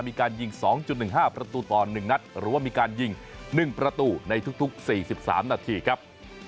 มีการยิง๒๑๕ประตูต่อ๑นัดหรือว่ามีการยิง๑ประตูในทุก๔๓นาทีครับ